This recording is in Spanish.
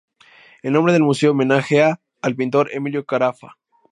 El nombre del museo homenajea al pintor Emilio Caraffa.